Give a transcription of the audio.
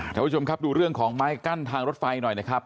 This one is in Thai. ท่านผู้ชมครับดูเรื่องของไม้กั้นทางรถไฟหน่อยนะครับ